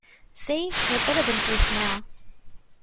See! You’re better than Bruce now.